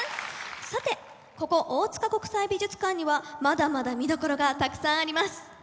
さてここ大塚国際美術館にはまだまだ見どころがたくさんあります。